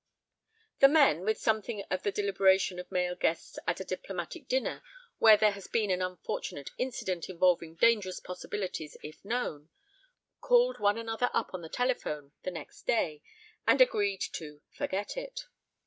The men, with something of the deliberation of male guests at a diplomatic dinner where there has been an unfortunate incident involving dangerous possibilities if known, called one another up on the telephone the next day and agreed to "forget it."